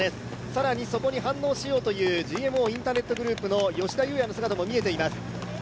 更にそこに反応しようというＧＭＯインターネットグループの吉田祐也の姿も見えています。